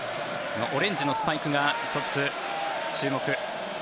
オレンジのスパイクが１つ注目。